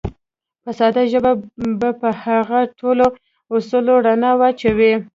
په ساده ژبه به په هغو ټولو اصولو رڼا واچوو.